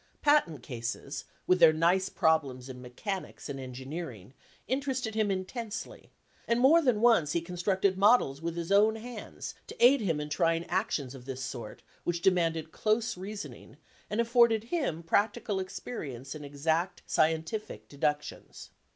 Patent cases, with their nice problems in mechanics and engineering, interested him intensely, and more than once he constructed models with his own hands to aid him in trying actions of this sort which demanded close reasoning and afforded him practical ex perience in exact scientific deductions.